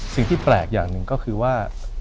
สิ่งที่แปลกอย่างหนึ่งก็คือว่า